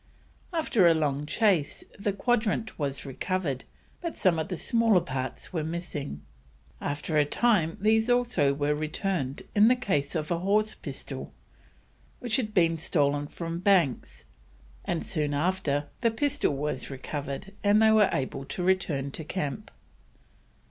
After a long chase the quadrant was recovered, but some of the smaller parts were missing. After a time these also were returned in the case of a horse pistol which had been stolen from Banks, and soon after the pistol was recovered, and they were able to return to camp.